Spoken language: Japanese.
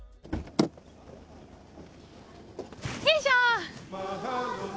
よいしょ。